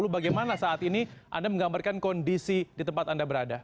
bagaimana saat ini anda menggambarkan kondisi di tempat anda berada